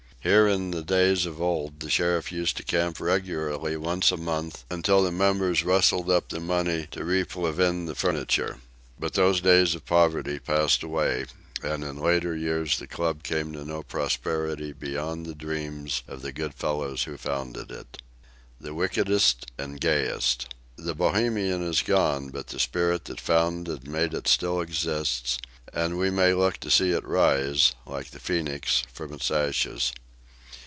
Here in days of old the Sheriff used to camp regularly once a month until the members rustled up the money to replevin the furniture. But these days of poverty passed away, and in later years the club came to know prosperity beyond the dreams of the good fellows who founded it. THE WICKEDEST AND GAYEST. The Bohemian is gone, but the spirit that founded and made it still exists, and we may look to see it rise, like the phoenix, from its ashes.